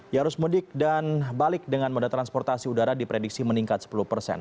yarus mudik dan balik dengan moda transportasi udara diprediksi meningkat sepuluh persen